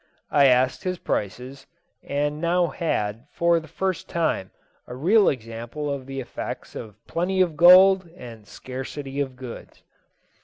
I asked his prices, and now had, for the first time, a real example of the effects of plenty of gold and scarcity of goods.